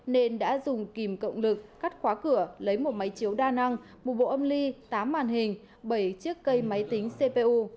nên đã dùng kìm cộng lực cắt khóa cửa lấy một máy chiếu đa năng một bộ âm ly tám màn hình bảy chiếc cây máy tính cpu